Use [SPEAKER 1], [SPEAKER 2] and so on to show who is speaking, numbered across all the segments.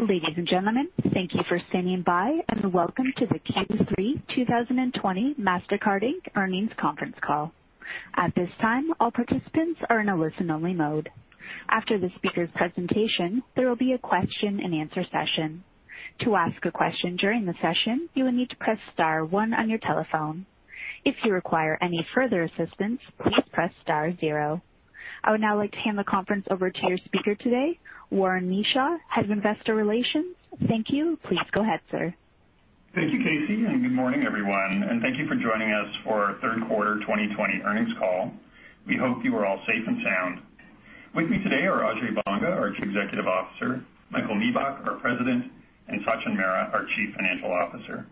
[SPEAKER 1] Ladies and gentlemen, thank you for standing by, and welcome to the Q3 2020 Mastercard Inc. Earnings Conference Call. At this time, all participants are in a listen-only mode. After the speaker's presentation, there will be a question and answer session. To ask a question during the session, you will need to press star one on your telephone. If you require any further assistance, please press star zero. I would now like to hand the conference over to your speaker today, Warren Kneeshaw, Head of Investor Relations. Thank you. Please go ahead, sir.
[SPEAKER 2] Thank you, Casey. Good morning, everyone, and thank you for joining us for our Third Quarter 2020 Earnings Call. We hope you are all safe and sound. With me today are Ajay Banga, our Chief Executive Officer, Michael Miebach, our President, and Sachin Mehra, our Chief Financial Officer.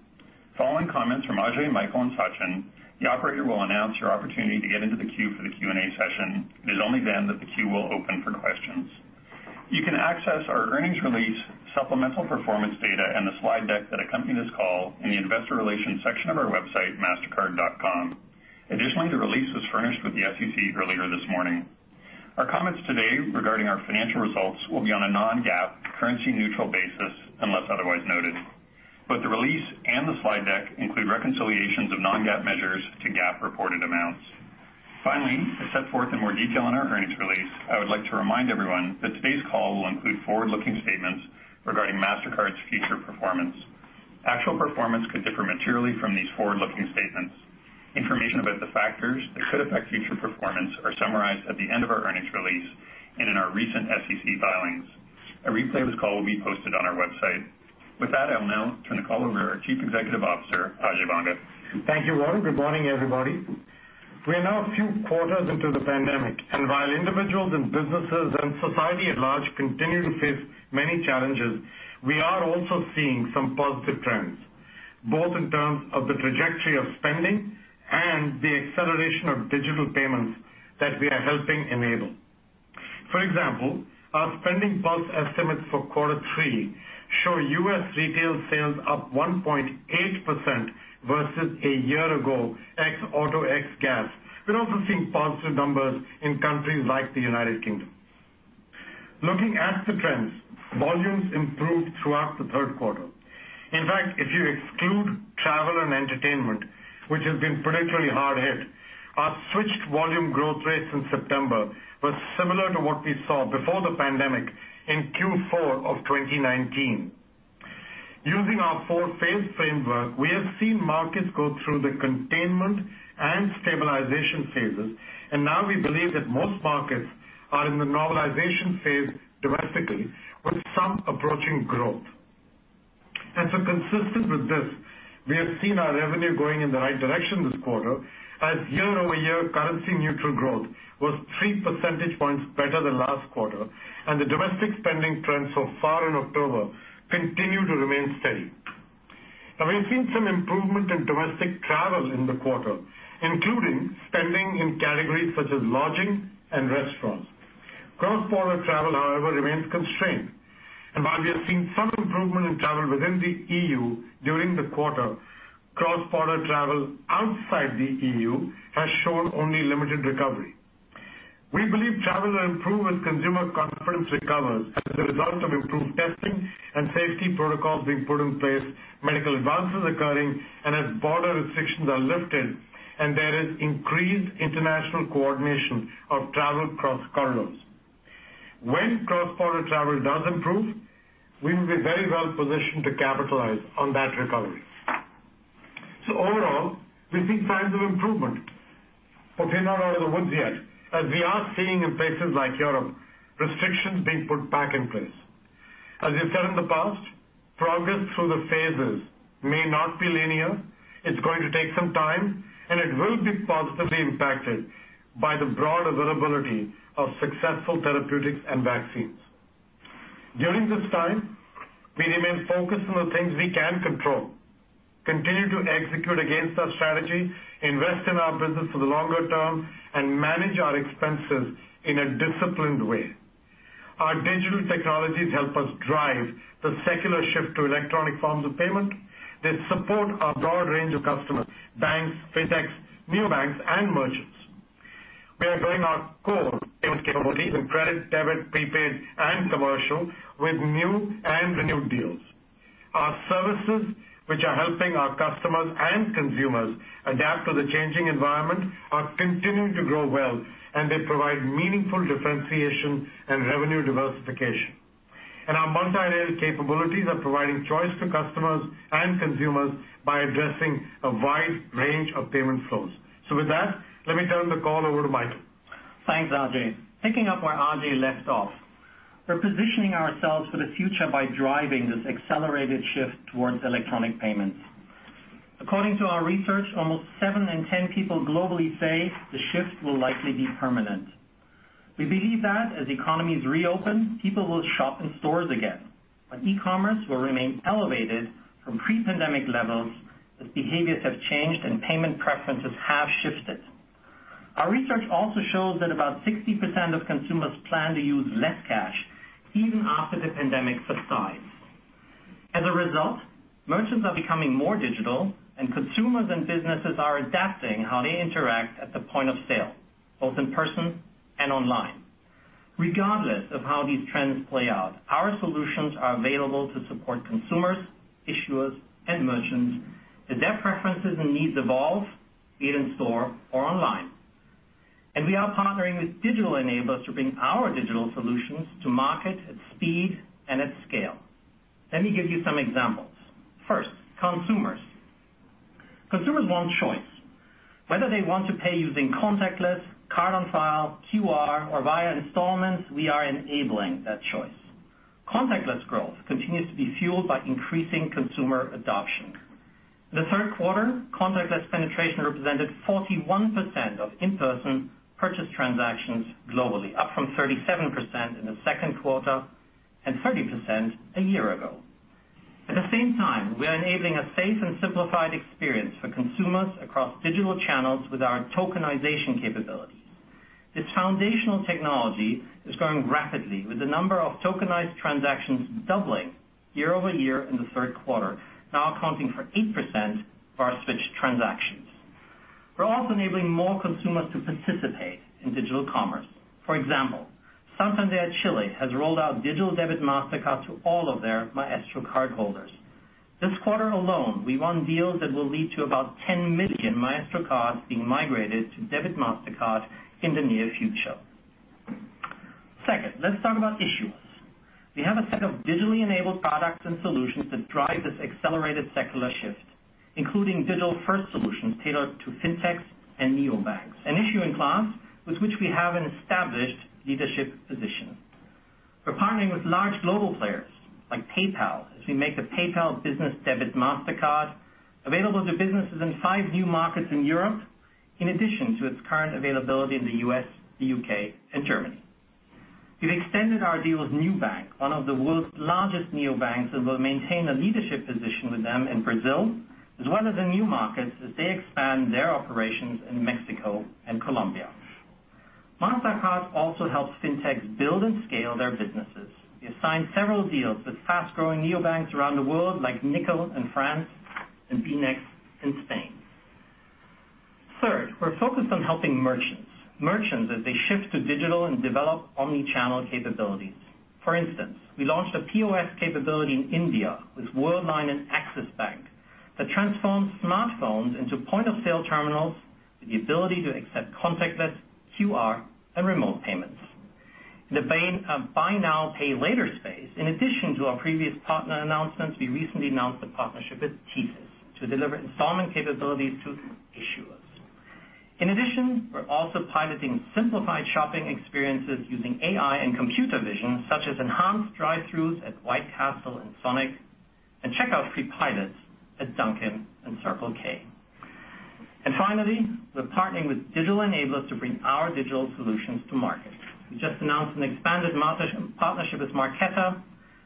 [SPEAKER 2] Following comments from Ajay, Michael, and Sachin, the operator will announce your opportunity to get into the queue for the Q&A session. It is only then that the queue will open for questions. You can access our earnings release, supplemental performance data, and the slide deck that accompany this call in the investor relations section of our website, mastercard.com. Additionally, the release was furnished with the SEC earlier this morning. Our comments today regarding our financial results will be on a non-GAAP, currency-neutral basis unless otherwise noted. Both the release and the slide deck include reconciliations of non-GAAP measures to GAAP reported amounts. As set forth in more detail in our earnings release, I would like to remind everyone that today's call will include forward-looking statements regarding Mastercard's future performance. Actual performance could differ materially from these forward-looking statements. Information about the factors that could affect future performance are summarized at the end of our earnings release and in our recent SEC filings. A replay of this call will be posted on our website. With that, I'll now turn the call over to our Chief Executive Officer, Ajay Banga.
[SPEAKER 3] Thank you, Warren. Good morning, everybody. While individuals and businesses and society at large continue to face many challenges, we are also seeing some positive trends, both in terms of the trajectory of spending and the acceleration of digital payments that we are helping enable. For example, our SpendingPulse estimates for quarter three show U.S. retail sales up 1.8% versus a year ago ex auto, ex gas. We're also seeing positive numbers in countries like the United Kingdom. Looking at the trends, volumes improved throughout the third quarter. In fact, if you exclude travel and entertainment, which has been particularly hard hit, our switched volume growth rate since September was similar to what we saw before the pandemic in Q4 of 2019. Using our four-phase framework, we have seen markets go through the containment and stabilization phases. Now we believe that most markets are in the normalization phase domestically, with some approaching growth. Consistent with this, we have seen our revenue going in the right direction this quarter, as year-over-year currency neutral growth was three percentage points better than last quarter. The domestic spending trends so far in October continue to remain steady. Now we've seen some improvement in domestic travel in the quarter, including spending in categories such as lodging and restaurants. Cross-border travel, however, remains constrained. While we have seen some improvement in travel within the E.U. during the quarter, cross-border travel outside the E.U. Has shown only limited recovery. We believe travel will improve as consumer confidence recovers as a result of improved testing and safety protocols being put in place, medical advances occurring, and as border restrictions are lifted and there is increased international coordination of travel across corridors. When cross-border travel does improve, we will be very well positioned to capitalize on that recovery. Overall, we see signs of improvement, but we're not out of the woods yet, as we are seeing in places like Europe, restrictions being put back in place. As we've said in the past, progress through the phases may not be linear. It's going to take some time, and it will be positively impacted by the broad availability of successful therapeutics and vaccines. During this time, we remain focused on the things we can control, continue to execute against our strategy, invest in our business for the longer-term, and manage our expenses in a disciplined way. Our digital technologies help us drive the secular shift to electronic forms of payment. They support our broad range of customers, banks, fintechs, neobanks, and merchants. We are growing our core payment capabilities in credit, debit, prepaid, and commercial with new and renewed deals. Our services, which are helping our customers and consumers adapt to the changing environment, are continuing to grow well, and they provide meaningful differentiation and revenue diversification. Our multi-rail capabilities are providing choice to customers and consumers by addressing a wide range of payment flows. With that, let me turn the call over to Michael.
[SPEAKER 4] Thanks, Ajay. Picking up where Ajay left off, we're positioning ourselves for the future by driving this accelerated shift towards electronic payments. According to our research, almost 7 in 10 people globally say the shift will likely be permanent. We believe that as economies reopen, people will shop in stores again, but e-commerce will remain elevated from pre-pandemic levels as behaviors have changed and payment preferences have shifted. Our research also shows that about 60% of consumers plan to use less cash even after the pandemic subsides. As a result, merchants are becoming more digital and consumers and businesses are adapting how they interact at the point of sale, both in person and online. Regardless of how these trends play out, our solutions are available to support consumers, issuers, and merchants as their preferences and needs evolve, be it in store or online. We are partnering with digital enablers to bring our digital solutions to market at speed and at scale. Let me give you some examples. First, consumers. Consumers want choice. Whether they want to pay using contactless, card on file, QR, or via installments, we are enabling that choice. Contactless growth continues to be fueled by increasing consumer adoption. In the third quarter, contactless penetration represented 41% of in-person purchase transactions globally, up from 37% in the second quarter and 30% a year ago. At the same time, we are enabling a safe and simplified experience for consumers across digital channels with our tokenization capabilities. This foundational technology is growing rapidly with the number of tokenized transactions doubling year-over-year in the third quarter, now accounting for 8% of our switched transactions. We are also enabling more consumers to participate in digital commerce. For example, Santander Chile has rolled out digital debit Mastercard to all of their Maestro cardholders. This quarter alone, we won deals that will lead to about 10 million Maestro cards being migrated to debit Mastercard in the near future. Second, let's talk about issuers. We have a set of digitally enabled products and solutions that drive this accelerated secular shift, including digital-first solutions tailored to fintechs and neobanks, an issuing class with which we have an established leadership position. We're partnering with large global players like PayPal as we make a PayPal business debit Mastercard available to businesses in five new markets in Europe, in addition to its current availability in the U.S., the U.K., and Germany. We've extended our deal with Nubank, one of the world's largest neobanks, and will maintain a leadership position with them in Brazil, as well as in new markets as they expand their operations in Mexico and Colombia. Mastercard also helps fintechs build and scale their businesses. We have signed several deals with fast-growing neobanks around the world, like Nickel in France and Bnext in Spain. Third, we're focused on helping merchants. Merchants, as they shift to digital and develop omni-channel capabilities. For instance, we launched a POS capability in India with Worldline and Axis Bank that transforms smartphones into point-of-sale terminals with the ability to accept contactless, QR, and remote payments. In the buy now, pay later space, in addition to our previous partner announcements, we recently announced a partnership with TSYS to deliver installment capabilities to issuers. In addition, we're also piloting simplified shopping experiences using AI and computer vision, such as enhanced drive-throughs at White Castle and Sonic and checkout-free pilots at Dunkin' and Circle K. Finally, we're partnering with digital enablers to bring our digital solutions to market. We just announced an expanded partnership with Marqeta,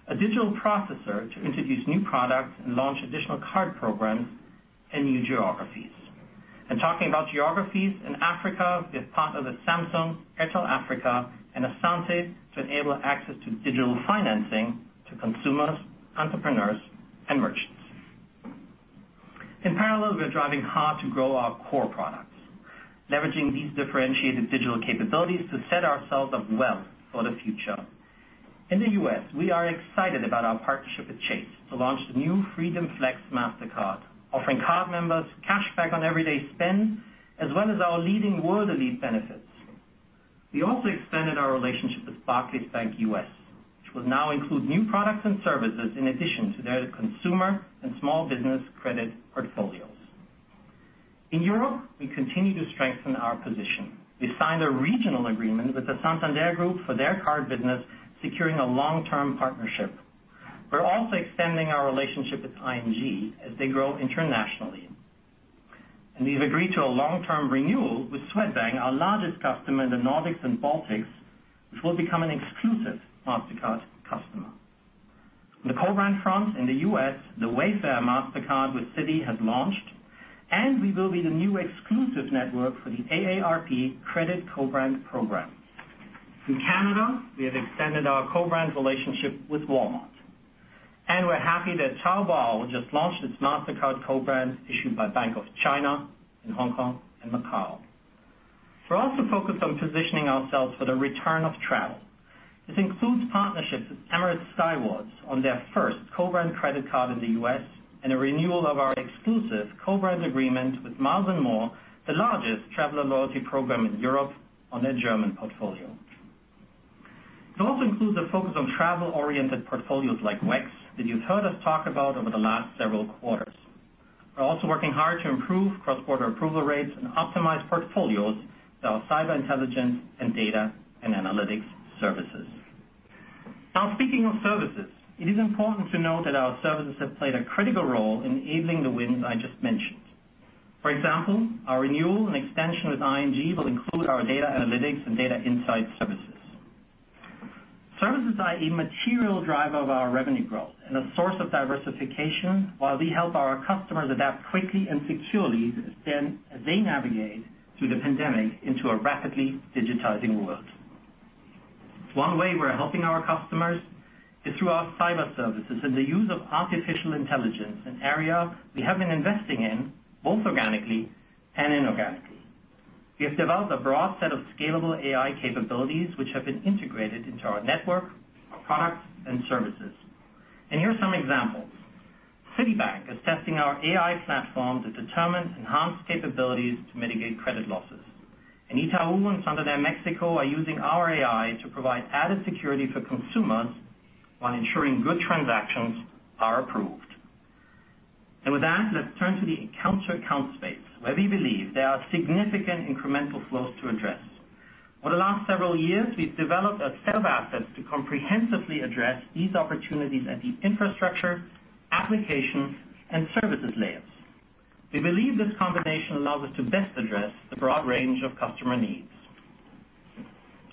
[SPEAKER 4] a digital processor, to introduce new products and launch additional card programs in new geographies. Talking about geographies, in Africa, we have partnered with Samsung, Airtel Africa, and Asante to enable access to digital financing to consumers, entrepreneurs, and merchants. In parallel, we are driving hard to grow our core products, leveraging these differentiated digital capabilities to set ourselves up well for the future. In the U.S., we are excited about our partnership with Chase to launch the new Freedom Flex Mastercard, offering card members cashback on everyday spend, as well as our leading World Elite benefits. We also expanded our relationship with Barclays Bank U.S., which will now include new products and services in addition to their consumer and small business credit portfolios. In Europe, we continue to strengthen our position. We signed a regional agreement with the Santander Group for their card business, securing a long-term partnership. We're also extending our relationship with ING as they grow internationally. We've agreed to a long-term renewal with Swedbank, our largest customer in the Nordics and Baltics, which will become an exclusive Mastercard customer. On the co-brand front in the U.S., the Wayfair Mastercard with Citi has launched, and we will be the new exclusive network for the AARP credit co-brand program. In Canada, we have extended our co-brand relationship with Walmart, and we're happy that Taobao just launched its Mastercard co-brand issued by Bank of China in Hong Kong and Macau. We're also focused on positioning ourselves for the return of travel. This includes partnerships with Emirates Skywards on their first co-brand credit card in the U.S. and a renewal of our exclusive co-brand agreement with Miles & More, the largest traveler loyalty program in Europe, on their German portfolio. It also includes a focus on travel-oriented portfolios like WEX that you've heard us talk about over the last several quarters. We're also working hard to improve cross-border approval rates and optimize portfolios with our cyber intelligence and data and analytics services. Speaking of services, it is important to note that our services have played a critical role in enabling the wins I just mentioned. For example, our renewal and extension with ING will include our data analytics and data insight services. Services are a material driver of our revenue growth and a source of diversification while we help our customers adapt quickly and securely as they navigate through the pandemic into a rapidly digitizing world. One way we're helping our customers is through our cyber services and the use of artificial intelligence, an area we have been investing in both organically and inorganically. We have developed a broad set of scalable AI capabilities, which have been integrated into our network, our products, and services. Here are some examples. Citibank is testing our AI platform to determine enhanced capabilities to mitigate credit losses. Itaú and Santander Mexico are using our AI to provide added security for consumers while ensuring good transactions are approved. With that, let's turn to the account-to-account space, where we believe there are significant incremental flows to address. Over the last several years, we've developed a set of assets to comprehensively address these opportunities at the infrastructure, application, and services layers. We believe this combination allows us to best address the broad range of customer needs.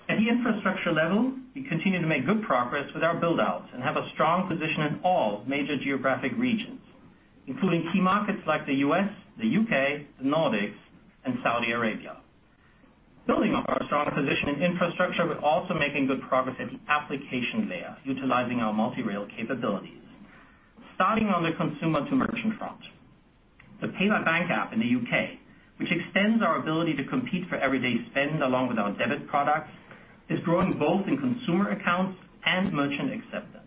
[SPEAKER 4] At the infrastructure level, we continue to make good progress with our build-outs and have a strong position in all major geographic regions, including key markets like the U.S., the U.K., the Nordics, and Saudi Arabia. Building on our strong position in infrastructure, we're also making good progress at the application layer utilizing our multi-rail capabilities. Starting on the consumer-to-merchant front, the Pay by Bank app in the U.K., which extends our ability to compete for everyday spend along with our debit products, is growing both in consumer accounts and merchant acceptance.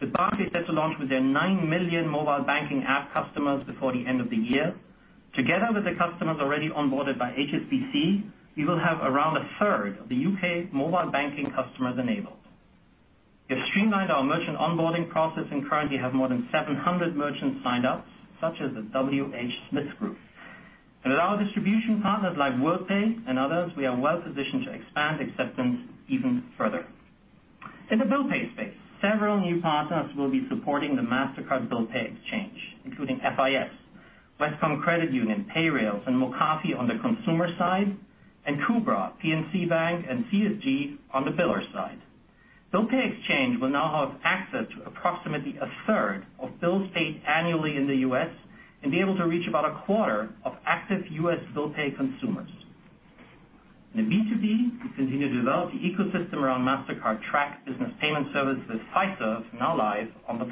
[SPEAKER 4] With Barclays set to launch with their 9 million mobile banking app customers before the end of the year, together with the customers already onboarded by HSBC, we will have around a third of the U.K. mobile banking customers enabled. We have streamlined our merchant onboarding process and currently have more than 700 merchants signed up, such as the WH Smith group. With our distribution partners like Worldpay and others, we are well-positioned to expand acceptance even further. In the Bill Pay space, several new partners will be supporting the Mastercard Bill Pay Exchange, including FIS, Wescom Credit Union, Payrailz, and MoCaFi on the consumer side, and KUBRA, PNC Bank, and CSG on the biller side. Bill Pay Exchange will now have access to approximately a third of bills paid annually in the U.S. and be able to reach about a quarter of active U.S. Bill Pay consumers. In the B2B, we continue to develop the ecosystem around Mastercard Track Business Payment Service with Fiserv now live on the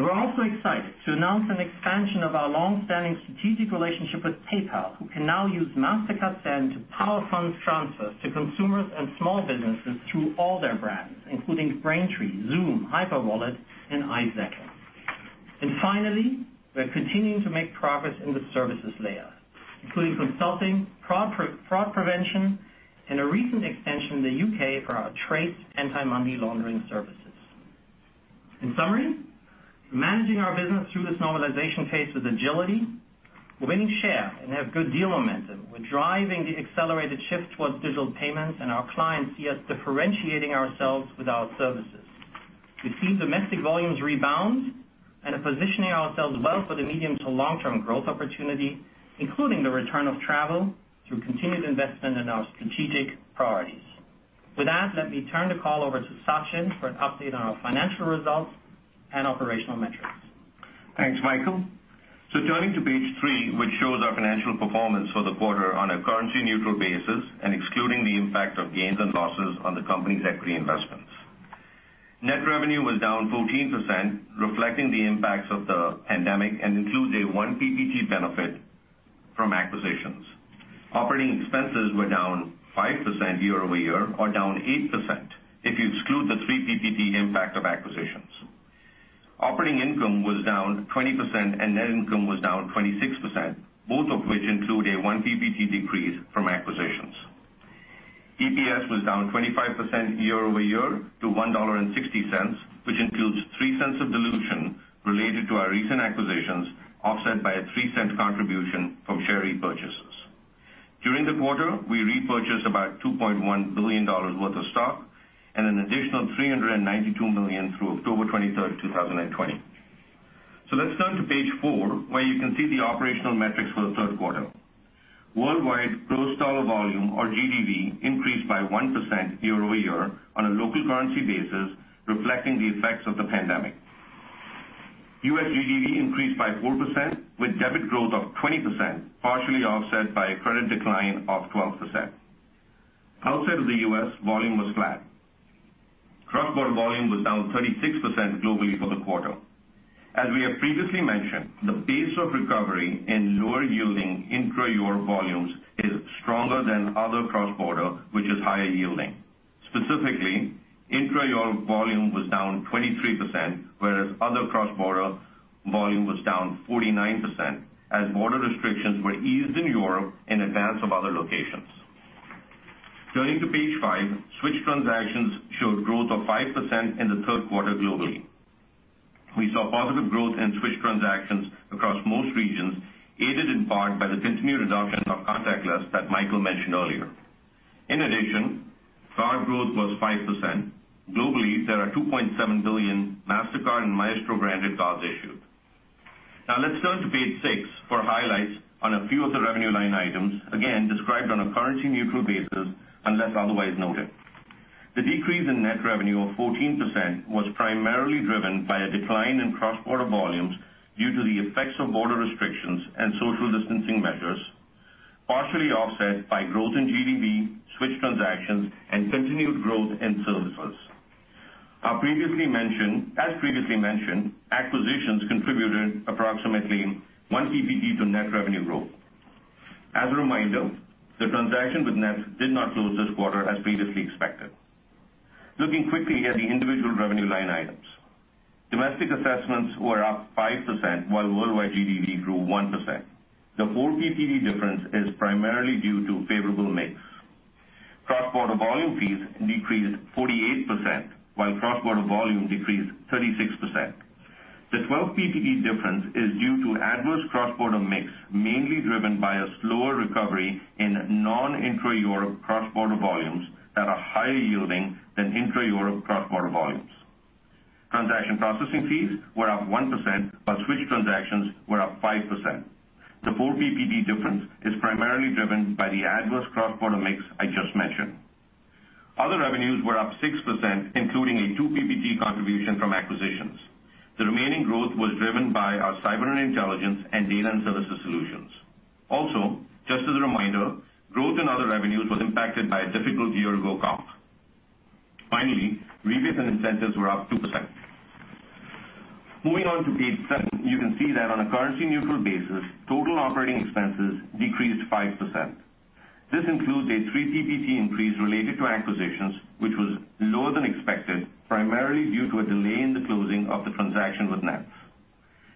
[SPEAKER 4] platform. We're also excited to announce an expansion of our long-standing strategic relationship with PayPal, who can now use Mastercard Send to power funds transfers to consumers and small businesses through all their brands, including Braintree, Xoom, Hyperwallet, and iZettle. Finally, we're continuing to make progress in the services layer, including consulting, fraud prevention, and a recent extension in the U.K. for our TRACE anti-money laundering services. In summary, we're managing our business through this normalization phase with agility. We're winning share and have good deal momentum. We're driving the accelerated shift towards digital payments, and our clients see us differentiating ourselves with our services. We've seen domestic volumes rebound and are positioning ourselves well for the medium-to long-term growth opportunity, including the return of travel through continued investment in our strategic priorities. With that, let me turn the call over to Sachin for an update on our financial results and operational metrics.
[SPEAKER 5] Thanks, Michael. Turning to page three, which shows our financial performance for the quarter on a currency-neutral basis and excluding the impact of gains and losses on the company's equity investments. Net revenue was down 14%, reflecting the impacts of the pandemic, and includes a 1 PPT benefit from acquisitions. Operating expenses were down 5% year-over-year or down 8% if you exclude the 3 PPT impact of acquisitions. Operating income was down 20% and net income was down 26%, both of which include a 1 PPT decrease from acquisitions. EPS was down 25% year-over-year to $1.60, which includes $0.03 of dilution related to our recent acquisitions, offset by a $0.03 contribution from share repurchases. During the quarter, we repurchased about $2.1 billion worth of stock and an additional $392 million through October 23rd, 2020. Let's turn to page four, where you can see the operational metrics for the third quarter. Worldwide Gross Dollar Volume, or GDV, increased by 1% year-over-year on a local currency basis, reflecting the effects of the pandemic. U.S. GDV increased by 4%, with debit growth of 20%, partially offset by a credit decline of 12%. Outside of the U.S., volume was flat. Cross-border volume was down 36% globally for the quarter. As we have previously mentioned, the pace of recovery in lower-yielding intra-Europe volumes is stronger than other cross-border, which is higher yielding. Specifically, intra-Europe volume was down 23%, whereas other cross-border volume was down 49%, as border restrictions were eased in Europe in advance of other locations. Turning to page five, switch transactions showed growth of 5% in the third quarter globally. We saw positive growth in switch transactions across most regions, aided in part by the continued reduction of contactless that Michael mentioned earlier. Card growth was 5%. Globally, there are 2.7 billion Mastercard and Maestro branded cards issued. Let's turn to page six for highlights on a few of the revenue line items, again described on a currency-neutral basis unless otherwise noted. The decrease in net revenue of 14% was primarily driven by a decline in cross-border volumes due to the effects of border restrictions and social distancing measures, partially offset by growth in GDV, switch transactions, and continued growth in services. As previously mentioned, acquisitions contributed approximately 1 PPT to net revenue growth. As a reminder, the transaction with Nets did not close this quarter as previously expected. Looking quickly at the individual revenue line items. Domestic assessments were up 5%, while worldwide GDV grew 1%. The 4 PPT difference is primarily due to favorable mix. Cross-border volume fees decreased 48%, while cross-border volume decreased 36%. The 12 PPT difference is due to adverse cross-border mix, mainly driven by a slower recovery in non-intra-Europe cross-border volumes that are higher yielding than intra-Europe cross-border volumes. Transaction processing fees were up 1%, while switch transactions were up 5%. The 4 PPT difference is primarily driven by the adverse cross-border mix I just mentioned. Other revenues were up 6%, including a 2 PPT contribution from acquisitions. The remaining growth was driven by our cyber and intelligence and data and services solutions. Just as a reminder, growth in other revenues was impacted by a difficult year-ago comp. Rebates and incentives were up 2%. Moving on to page seven, you can see that on a currency-neutral basis, total operating expenses decreased 5%. This includes a 3 PPT increase related to acquisitions, which was lower than expected, primarily due to a delay in the closing of the transaction with Nets.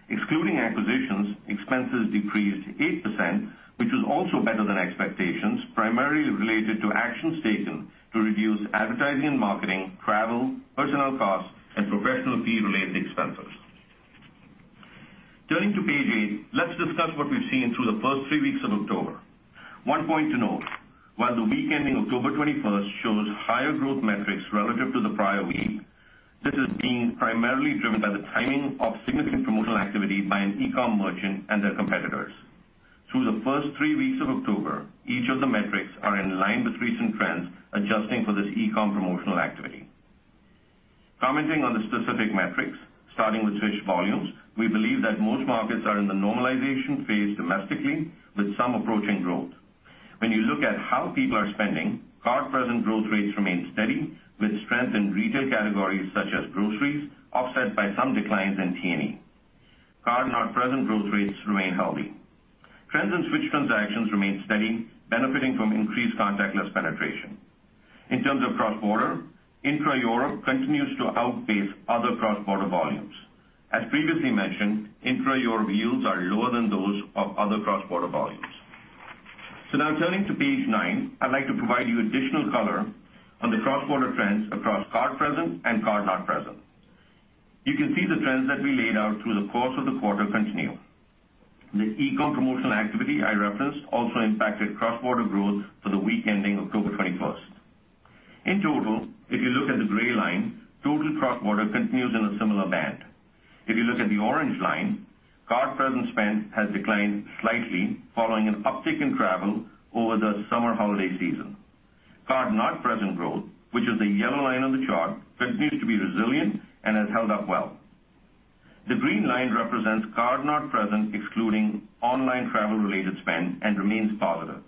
[SPEAKER 5] Excluding acquisitions, expenses decreased 8%, which was also better than expectations, primarily related to actions taken to reduce advertising and marketing, travel, personnel costs, and professional fee-related expenses. Turning to page eight, let's discuss what we've seen through the first three weeks of October. One point to note, while the week ending October 21st shows higher growth metrics relative to the prior week, this is being primarily driven by the timing of significant promotional activity by an e-com merchant and their competitors. Through the first three weeks of October, each of the metrics are in line with recent trends, adjusting for this e-com promotional activity. Commenting on the specific metrics, starting with switch volumes, we believe that most markets are in the normalization phase domestically, with some approaching growth. When you look at how people are spending, card-present growth rates remain steady, with strength in retail categories such as groceries, offset by some declines in T&E. Card-not-present growth rates remain healthy. Trends in switch transactions remain steady, benefiting from increased contactless penetration. In terms of cross-border, intra-Europe continues to outpace other cross-border volumes. As previously mentioned, intra-Europe yields are lower than those of other cross-border volumes. Now turning to page nine, I'd like to provide you additional color on the cross-border trends across card present and card not present. You can see the trends that we laid out through the course of the quarter continue. The e-com promotional activity I referenced also impacted cross-border growth for the week ending October 21st. In total, if you look at the gray line, total cross-border continues in a similar band. If you look at the orange line, card-present spend has declined slightly following an uptick in travel over the summer holiday season. Card-not-present growth, which is the yellow line on the chart, continues to be resilient and has held up well. The green line represents card-not-present excluding online travel-related spend and remains positive.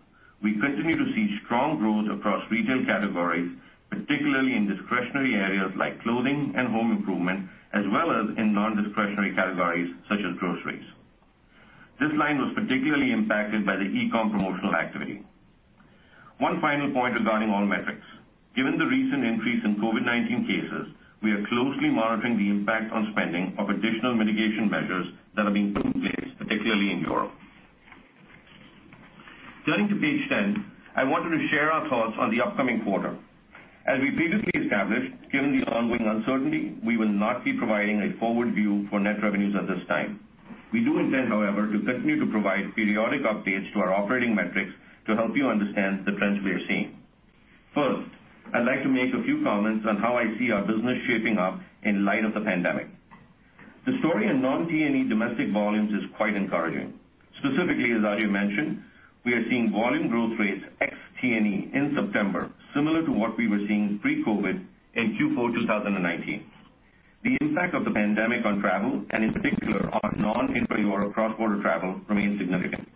[SPEAKER 5] We continue to see strong growth across retail categories, particularly in discretionary areas like clothing and home improvement, as well as in non-discretionary categories such as groceries. This line was particularly impacted by the e-com promotional activity. One final point regarding all metrics. Given the recent increase in COVID-19 cases, we are closely monitoring the impact on spending of additional mitigation measures that are being put in place, particularly in Europe. Turning to page 10, I wanted to share our thoughts on the upcoming quarter. As we previously established, given the ongoing uncertainty, we will not be providing a forward view for net revenues at this time. We do intend, however, to continue to provide periodic updates to our operating metrics to help you understand the trends we are seeing. First, I'd like to make a few comments on how I see our business shaping up in light of the pandemic. The story in non-T&E domestic volumes is quite encouraging. Specifically, as Ajay mentioned, we are seeing volume growth rates ex-T&E in September, similar to what we were seeing pre-COVID in Q4 2019. The impact of the pandemic on travel, and in particular on non-intra-Europe cross-border travel, remains significant.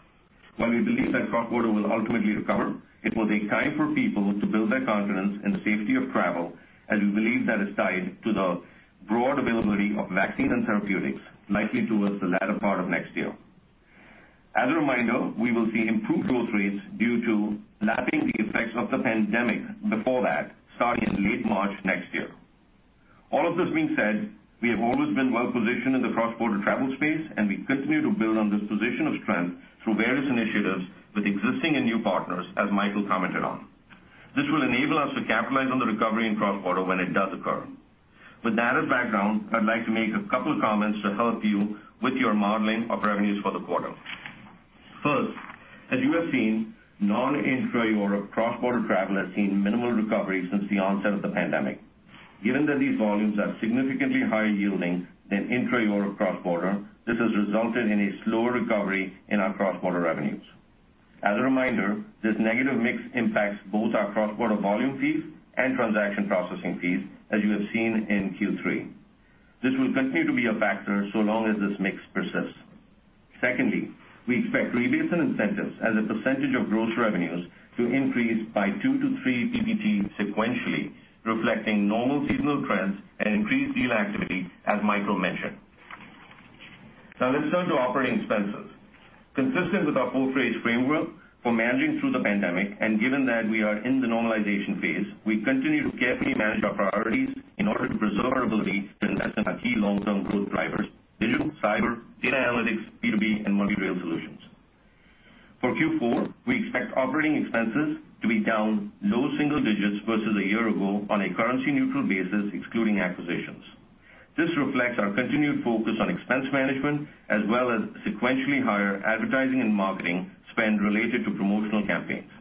[SPEAKER 5] While we believe that cross-border will ultimately recover, it will take time for people to build their confidence in the safety of travel, as we believe that is tied to the broad availability of vaccines and therapeutics likely towards the latter part of next year. As a reminder, we will see improved growth rates due to lapping the effects of the pandemic before that, starting in late March next year. All of this being said, we have always been well-positioned in the cross-border travel space, and we continue to build on this position of strength through various initiatives with existing and new partners, as Michael commented on. This will enable us to capitalize on the recovery in cross-border when it does occur. With that as background, I'd like to make a couple comments to help you with your modeling of revenues for the quarter. First, as you have seen, non-intra-Europe cross-border travel has seen minimal recovery since the onset of the pandemic. Given that these volumes are significantly higher yielding than intra-Europe cross-border, this has resulted in a slower recovery in our cross-border revenues. As a reminder, this negative mix impacts both our cross-border volume fees and transaction processing fees, as you have seen in Q3. This will continue to be a factor so long as this mix persists. Secondly, we expect rebates and incentives as a percentage of gross revenues to increase by 2-3 PPT sequentially, reflecting normal seasonal trends and increased deal activity, as Michael mentioned. Let's turn to operating expenses. Consistent with our four-phase framework for managing through the pandemic, and given that we are in the normalization phase, we continue to carefully manage our priorities in order to preserve our ability to invest in our key long-term growth drivers: digital, cyber, data analytics, B2B, and multi-rail solutions. For Q4, we expect operating expenses to be down low-single-digits versus a year ago on a currency-neutral basis, excluding acquisitions. This reflects our continued focus on expense management as well as sequentially higher advertising and marketing spend related to promotional campaigns.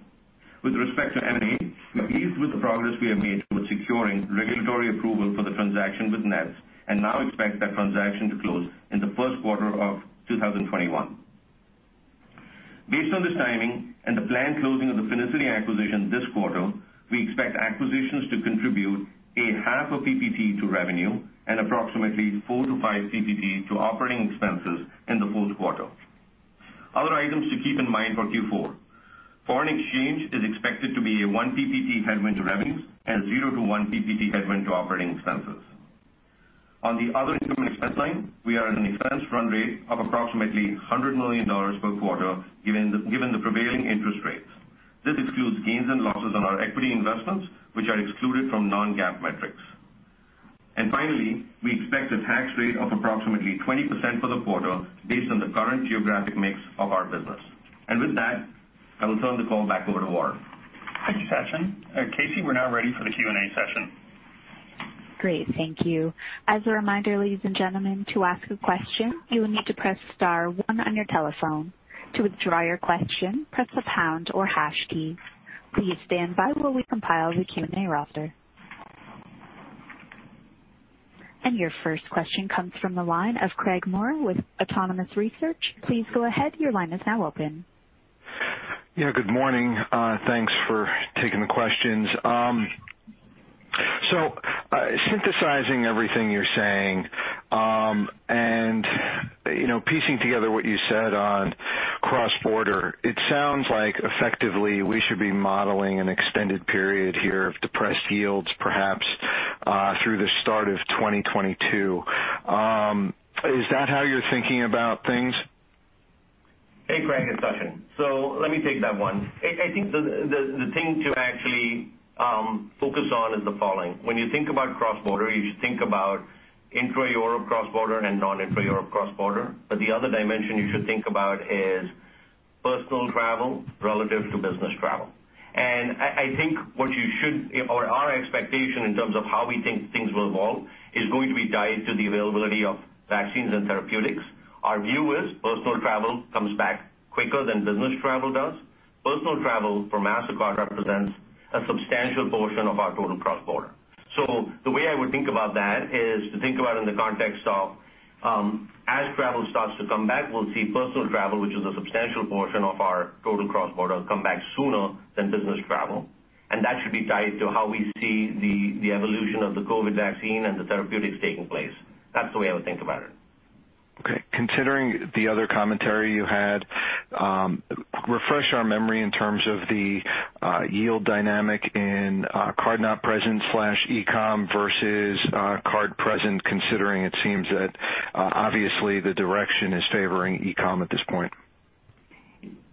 [SPEAKER 5] With respect to M&A, we are pleased with the progress we have made with securing regulatory approval for the transaction with Nets and now expect that transaction to close in the first quarter of 2021. Based on this timing and the planned closing of the Finicity acquisition this quarter, we expect acquisitions to contribute a 0.5 PPT to revenue and approximately 4-5 PPT to operating expenses in the fourth quarter. Other items to keep in mind for Q4. Foreign exchange is expected to be a 1 PPT headwind to revenues and 0-1 PPT headwind to operating expenses. On the other income and expense line, we are at an expense run rate of approximately $100 million per quarter given the prevailing interest rates. This excludes gains and losses on our equity investments, which are excluded from non-GAAP metrics. Finally, we expect a tax rate of approximately 20% for the quarter based on the current geographic mix of our business. With that, I will turn the call back over to Warren.
[SPEAKER 2] Thank you, Sachin. Casey, we're now ready for the Q&A session.
[SPEAKER 1] Great. Thank you. As a reminder, ladies and gentlemen, to ask a question, you will need to press star one on your telephone. To withdraw your question, press the pound or hash key. Please stand by while we compile the Q&A roster. Your first question comes from the line of Craig Maurer with Autonomous Research. Please go ahead. Your line is now open.
[SPEAKER 6] Yeah, good morning. Thanks for taking the questions. Synthesizing everything you're saying, and piecing together what you said on cross-border, it sounds like effectively we should be modeling an extended period here of depressed yields, perhaps through the start of 2022. Is that how you're thinking about things?
[SPEAKER 5] Hey, Craig. It's Sachin. Let me take that one. I think the thing to actually focus on is the following. When you think about cross-border, you should think about intra-Europe cross-border and non-intra-Europe cross-border. The other dimension you should think about is personal travel relative to business travel. I think our expectation in terms of how we think things will evolve is going to be tied to the availability of vaccines and therapeutics. Our view is personal travel comes back quicker than business travel does. Personal travel for Mastercard represents a substantial portion of our total cross-border. The way I would think about that is to think about in the context of as travel starts to come back, we'll see personal travel, which is a substantial portion of our total cross-border, come back sooner than business travel. That should be tied to how we see the evolution of the COVID vaccine and the therapeutics taking place. That's the way I would think about it.
[SPEAKER 6] Okay. Considering the other commentary you had, refresh our memory in terms of the yield dynamic in card-not-present/e-com versus card present, considering it seems that obviously the direction is favoring e-com at this point.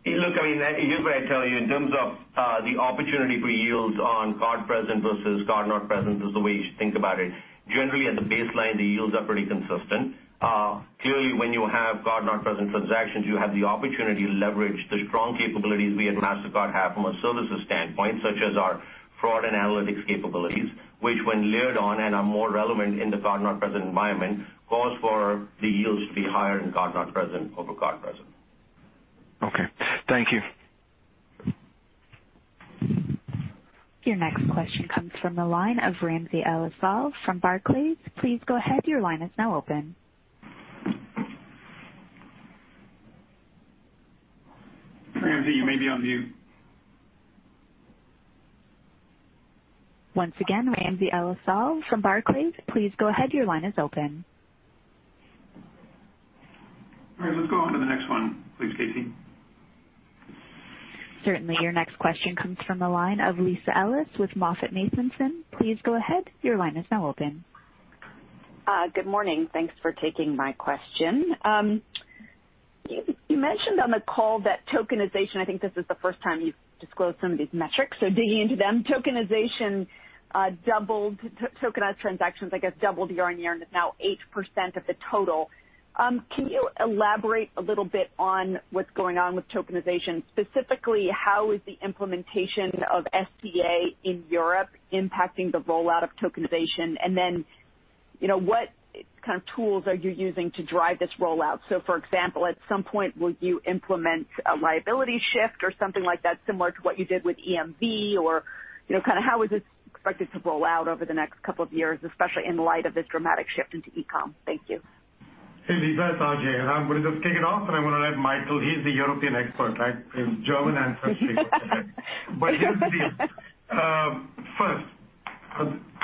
[SPEAKER 5] Look, here's what I'd tell you. In terms of the opportunity for yields on card present versus card not present is the way you should think about it. Generally at the baseline, the yields are pretty consistent. Clearly, when you have card-not-present transactions, you have the opportunity to leverage the strong capabilities we at Mastercard have from a services standpoint, such as our fraud and analytics capabilities, which when layered on and are more relevant in the card-not-present environment, cause for the yields to be higher in card not present over card present.
[SPEAKER 6] Okay. Thank you.
[SPEAKER 1] Your next question comes from the line of Ramsey El-Assal from Barclays.
[SPEAKER 2] Ramsey, you may be on mute.
[SPEAKER 1] Once again, Ramsey El-Assal from Barclays, please go ahead. Your line is open.
[SPEAKER 2] All right. Let's go on to the next one, please, Casey.
[SPEAKER 1] Certainly. Your next question comes from the line of Lisa Ellis with MoffettNathanson. Please go ahead. Your line is now open.
[SPEAKER 7] Good morning. Thanks for taking my question. You mentioned on the call that tokenization, I think this is the first time you've disclosed some of these metrics, so digging into them. Tokenized transactions, I guess, doubled year-over-year and is now 8% of the total. Can you elaborate a little bit on what's going on with tokenization? Specifically, how is the implementation of SCA in Europe impacting the rollout of tokenization? What kind of tools are you using to drive this rollout? For example, at some point, will you implement a liability shift or something like that, similar to what you did with EMV, or how is this expected to roll out over the next couple of years, especially in light of this dramatic shift into e-com? Thank you.
[SPEAKER 3] Hey, Lisa, it's Ajay. I'm going to just kick it off, and I'm going to let Michael, he's the European expert, right? He has German ancestry. Here's the deal. First,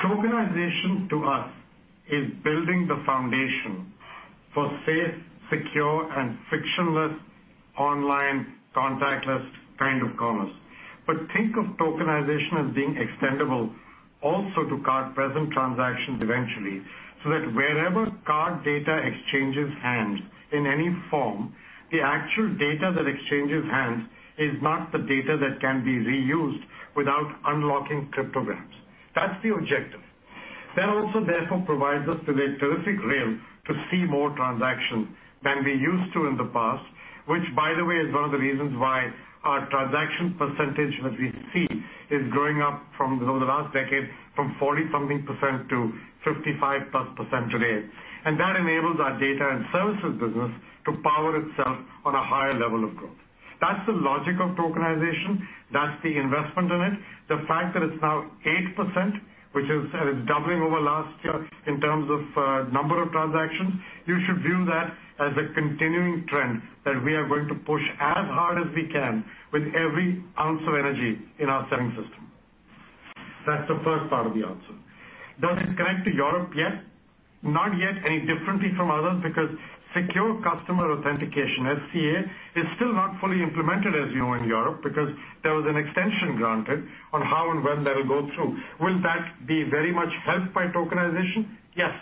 [SPEAKER 3] tokenization to us is building the foundation for safe, secure, and frictionless online contactless kind of commerce. Think of tokenization as being extendable also to card-present transactions eventually, so that wherever card data exchanges hands in any form, the actual data that exchanges hands is not the data that can be reused without unlocking cryptograms. That's the objective. That also therefore provides us with a terrific rail to see more transactions than we used to in the past, which by the way, is one of the reasons why our transaction percentage that we see is going up from, over the last decade, from 40% something to 55%+ today. That enables our data and services business to power itself on a higher level of growth. That's the logic of tokenization. That's the investment in it. The fact that it's now 8%, which is doubling over last year in terms of number of transactions, you should view that as a continuing trend that we are going to push as hard as we can with every ounce of energy in our selling system. That's the first part of the answer. Does it connect to Europe yet? Not yet any differently from others because Strong Customer Authentication, SCA, is still not fully implemented, as you know, in Europe because there was an extension granted on how and when that'll go through. Will that be very much helped by tokenization? Yes,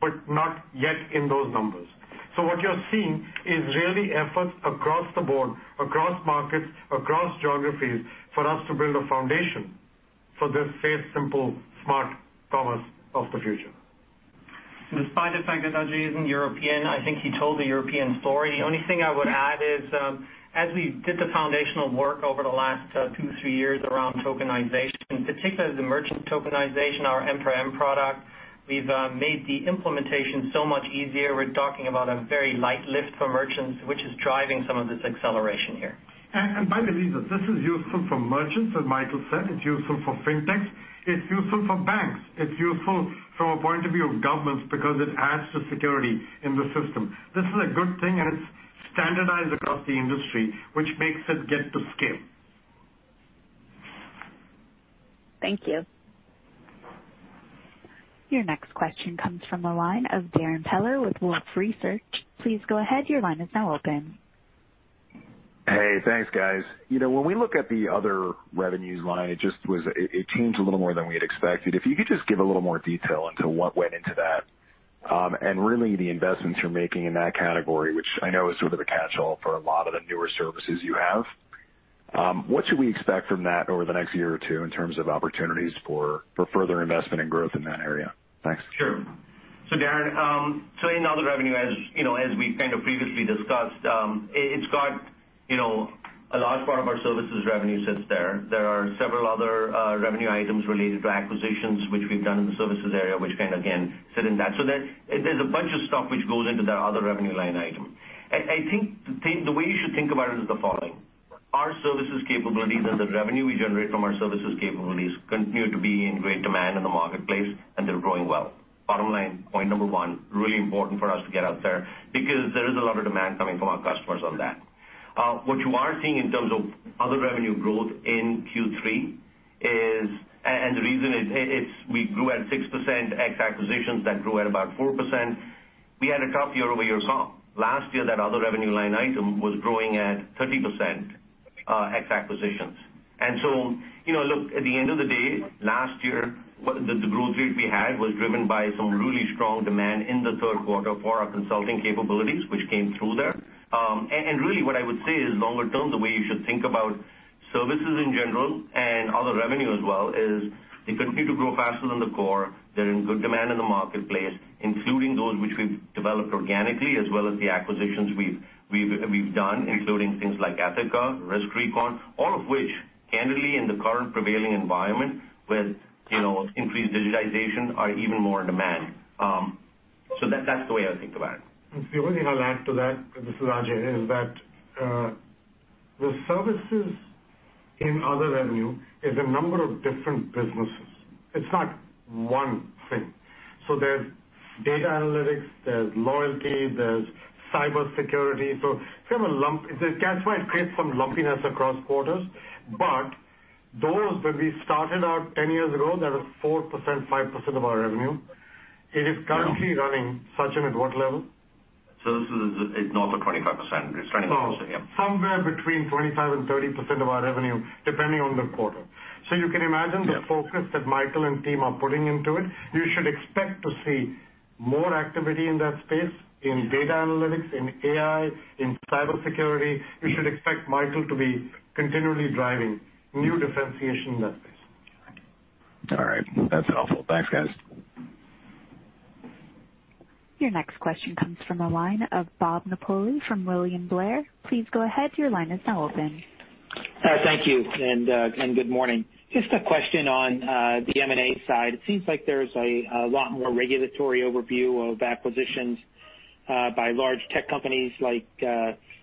[SPEAKER 3] but not yet in those numbers. What you're seeing is really efforts across the board, across markets, across geographies, for us to build a foundation for this safe, simple, smart commerce of the future.
[SPEAKER 4] Despite the fact that Ajay isn't European, I think he told the European story. The only thing I would add is, as we did the foundational work over the last two, three years around tokenization, particularly the merchant tokenization, our M4M product, we've made the implementation so much easier. We're talking about a very light lift for merchants, which is driving some of this acceleration here.
[SPEAKER 3] By the way, this is useful for merchants, as Michael said. It's useful for fintech. It's useful for banks. It's useful from a point of view of governments because it adds to security in the system. This is a good thing. It's standardized across the industry, which makes it get to scale.
[SPEAKER 7] Thank you.
[SPEAKER 1] Your next question comes from the line of Darrin Peller with Wolfe Research. Please go ahead.
[SPEAKER 8] Hey, thanks, guys. When we look at the other revenues line, it changed a little more than we had expected. If you could just give a little more detail into what went into that, and really the investments you're making in that category, which I know is sort of a catch-all for a lot of the newer services you have. What should we expect from that over the next year or two in terms of opportunities for further investment and growth in that area? Thanks.
[SPEAKER 5] Sure. Darrin, in other revenue, as we kind of previously discussed, a large part of our services revenue sits there. There are several other revenue items related to acquisitions which we've done in the services area, which kind of again, sit in that. There's a bunch of stuff which goes into that other revenue line item. I think the way you should think about it is the following. Our services capabilities and the revenue we generate from our services capabilities continue to be in great demand in the marketplace, and they're growing well. Bottom-line, point number one, really important for us to get out there because there is a lot of demand coming from our customers on that. What you are seeing in terms of other revenue growth in Q3 is, and the reason is we grew at 6% ex-acquisitions that grew at about 4%. We had a tough year-over-year comp. Last year, that other revenue line item was growing at 30% ex-acquisitions. Look, at the end of the day, last year, the growth rate we had was driven by some really strong demand in the third quarter for our consulting capabilities, which came through there. What I would say is longer-term, the way you should think about services in general and other revenue as well is they continue to grow faster than the core. They're in good demand in the marketplace, including those which we've developed organically as well as the acquisitions we've done, including things like Ethoca, RiskRecon, all of which, candidly, in the current prevailing environment with increased digitization are even more in demand. That's the way I would think about it.
[SPEAKER 3] The only thing I'll add to that, this is Ajay, is that the services in other revenue is a number of different businesses. It's not one thing. There's data analytics, there's loyalty, there's cybersecurity. It's kind of a lump. The catch-wise creates some lumpiness across quarters. Those that we started out 10 years ago that were 4%, 5% of our revenue, it is currently running, Sachin, at what level?
[SPEAKER 5] This is north of 25%. It's 25%. Yep.
[SPEAKER 3] Somewhere between 25% and 30% of our revenue, depending on the quarter. The focus that Michael and team are putting into it. You should expect to see more activity in that space, in data analytics, in AI, in cybersecurity. You should expect Michael to be continually driving new differentiation in that space.
[SPEAKER 8] All right. That's helpful. Thanks, guys.
[SPEAKER 1] Your next question comes from the line of Bob Napoli from William Blair. Please go ahead.
[SPEAKER 9] Thank you and good morning. Just a question on the M&A side. It seems like there's a lot more regulatory overview of acquisitions by large tech companies like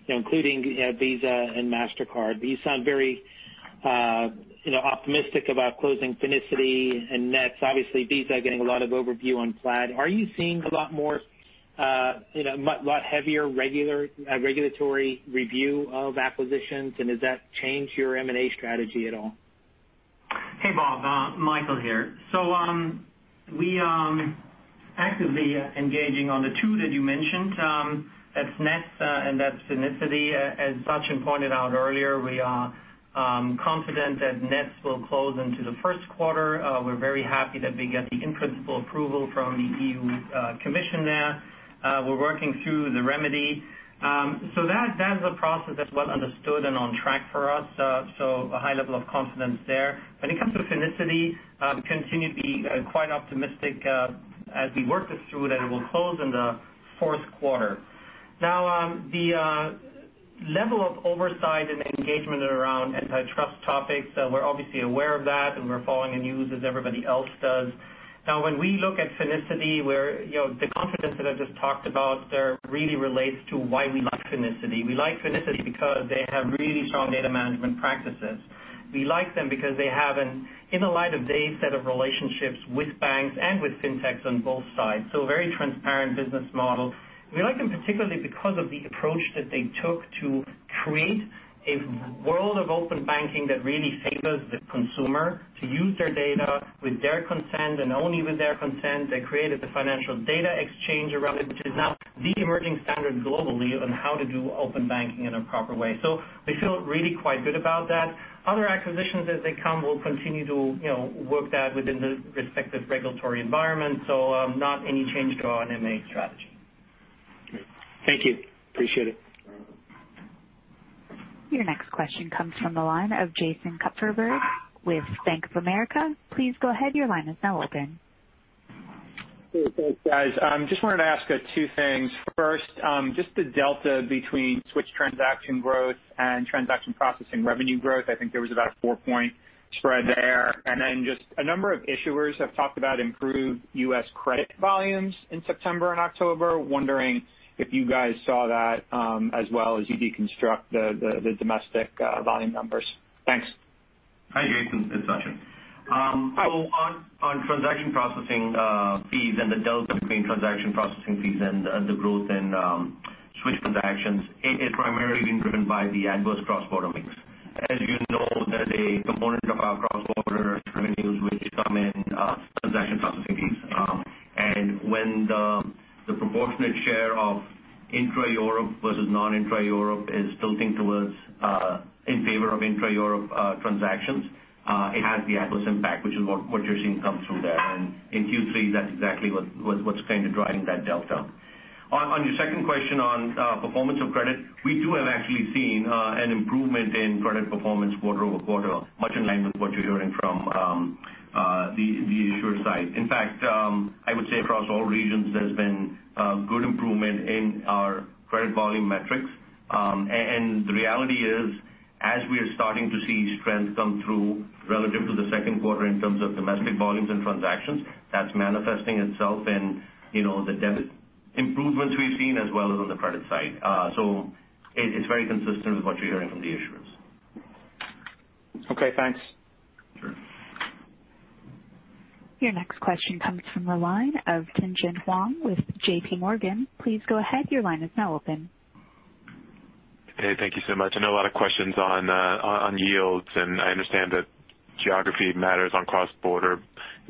[SPEAKER 9] including Visa and Mastercard. You sound very optimistic about closing Finicity and Nets. Obviously Visa are getting a lot of overview on Plaid. Are you seeing a lot heavier regulatory review of acquisitions, does that change your M&A strategy at all?
[SPEAKER 4] Hey, Bob. Michael here. We are actively engaging on the two that you mentioned. That's Nets and that's Finicity. As Sachin pointed out earlier, we are confident that Nets will close into the first quarter. We're very happy that we get the in-principle approval from the E.U. commission there. We're working through the remedy. That's a process that's well understood and on track for us. A high level of confidence there. When it comes to Finicity, continue to be quite optimistic as we work this through that it will close in the fourth quarter. The level of oversight and engagement around antitrust topics, we're obviously aware of that, and we're following the news as everybody else does. When we look at Finicity, the confidence that I just talked about there really relates to why we like Finicity. We like Finicity because they have really strong data management practices. We like them because they have an in-line set of relationships with banks and with fintechs on both sides. A very transparent business model. We like them particularly because of the approach that they took to create a world of open banking that really favors the consumer to use their data with their consent and only with their consent. They created the Financial Data Exchange around it, which is now the emerging standard globally on how to do open banking in a proper way. We feel really quite good about that. Other acquisitions as they come will continue to work that within the respective regulatory environment. Not any change to our M&A strategy.
[SPEAKER 9] Great. Thank you. Appreciate it.
[SPEAKER 1] Your next question comes from the line of Jason Kupferberg with Bank of America. Please go ahead. Your line is now open.
[SPEAKER 10] Hey. Thanks, guys. Just wanted to ask two things. First, just the delta between switch transaction growth and transaction processing revenue growth. I think there was about a four-point spread there. Just a number of issuers have talked about improved U.S. credit volumes in September and October. Wondering if you guys saw that as well as you de-construct the domestic volume numbers. Thanks.
[SPEAKER 5] Hi, Jason. It's Sachin. On transaction processing fees and the delta between transaction processing fees and the growth in switch transactions, it is primarily being driven by the adverse cross-border mix. As you know that a component of our cross-border revenues which come in transaction processing fees. When the proportionate share of intra-Europe versus non-intra-Europe is tilting towards in favor of intra-Europe transactions it has the adverse impact, which is what you're seeing come through there. In Q3, that's exactly what's kind of driving that delta. On your second question on performance of credit, we do have actually seen an improvement in credit performance quarter-over-quarter, much in line with what you're hearing from the issuer side. In fact, I would say across all regions, there's been a good improvement in our credit volume metrics. The reality is, as we are starting to see strength come through relative to the second quarter in terms of domestic volumes and transactions, that's manifesting itself in the debit improvements we've seen as well as on the credit side. It's very consistent with what you're hearing from the issuers.
[SPEAKER 10] Okay. Thanks.
[SPEAKER 5] Sure.
[SPEAKER 1] Your next question comes from the line of Tien-tsin Huang with JPMorgan. Please go ahead.
[SPEAKER 11] Hey. Thank you so much. I know a lot of questions on yields, and I understand that geography matters on cross-border.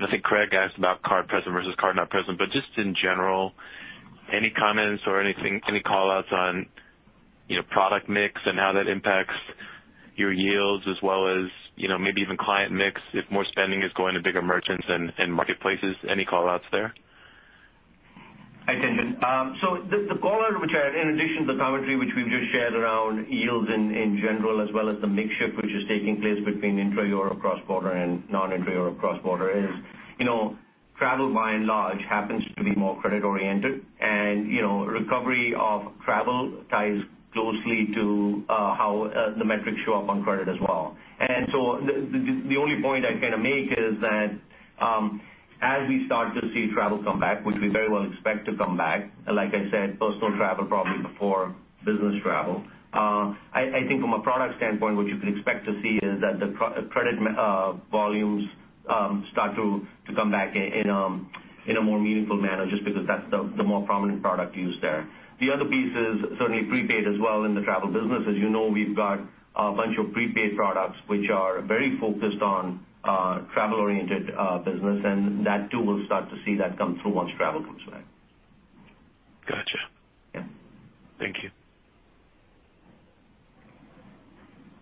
[SPEAKER 11] I think Craig asked about card present versus card not present. Just in general, any comments or any call-outs on product mix and how that impacts your yields as well as maybe even client mix if more spending is going to bigger merchants and marketplaces? Any call-outs there?
[SPEAKER 5] Hi, Tien-tsin. The call-out in addition to the commentary which we've just shared around yields in general as well as the mix shift which is taking place between intra-Europe cross-border and non-intra-Europe cross-border is travel by and large happens to be more credit oriented. Recovery of travel ties closely to how the metrics show up on credit as well. The only point I kind of make is that as we start to see travel come back, which we very well expect to come back, like I said, personal travel probably before business travel. I think from a product standpoint, what you could expect to see is that the credit volumes start to come back in a more meaningful manner just because that's the more prominent product used there. The other piece is certainly prepaid as well in the travel business. As you know, we've got a bunch of prepaid products which are very focused on travel-oriented business, and that too will start to see that come through once travel comes back.
[SPEAKER 11] Gotcha.
[SPEAKER 5] Yeah.
[SPEAKER 11] Thank you.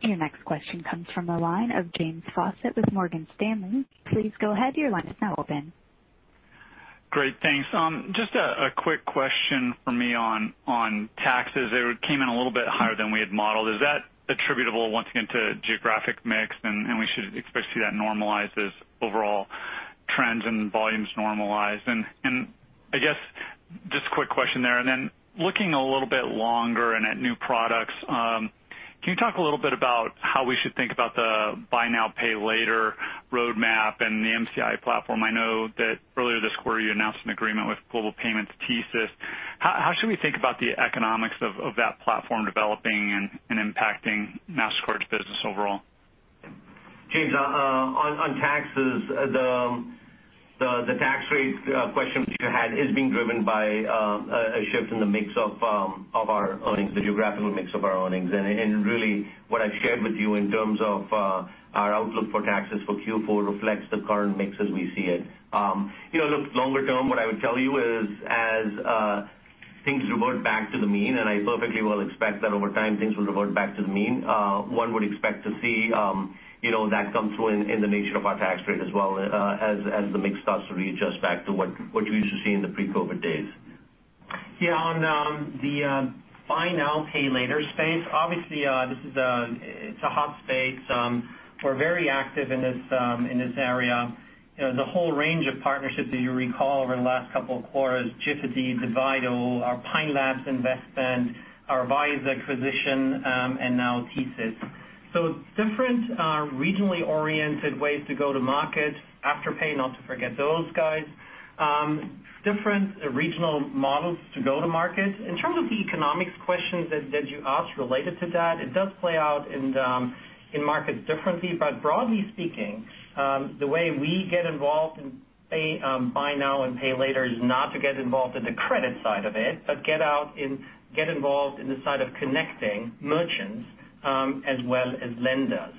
[SPEAKER 1] Your next question comes from the line of James Faucette with Morgan Stanley. Please go ahead. Your line is now open.
[SPEAKER 12] Great. Thanks. Just a quick question from me on taxes. It came in a little bit higher than we had modeled. Is that attributable once again to geographic mix, and we should expect to see that normalize as overall trends and volumes normalized. I guess just a quick question there, and then looking a little bit longer and at new products, can you talk a little bit about how we should think about the buy now, pay later roadmap and the MCI platform? I know that earlier this quarter you announced an agreement with Global Payments Inc. How should we think about the economics of that platform developing and impacting Mastercard's business overall?
[SPEAKER 5] James, on taxes, the tax rate question that you had is being driven by a shift in the mix of our earnings, the geographical mix of our earnings. Really what I've shared with you in terms of our outlook for taxes for Q4 reflects the current mix as we see it. Longer-term, what I would tell you is as things revert back to the mean, I perfectly well expect that over time things will revert back to the mean, one would expect to see that come through in the nature of our tax rate as well, as the mix starts to readjust back to what you used to see in the pre-COVID days.
[SPEAKER 4] Yeah. On the buy now, pay later space, obviously this is a hot space. We're very active in this area. The whole range of partnerships that you recall over the last couple of quarters, Jifiti, Divido, our Pine Labs investment, our Vyze acquisition, and now TSYS. Different regionally oriented ways to go to market Afterpay, not to forget those guys. Different regional models to go to market. In terms of the economics question that you asked related to that, it does play out in markets differently. Broadly speaking, the way we get involved in buy now and pay later is not to get involved in the credit side of it, but get involved in the side of connecting merchants as well as lenders.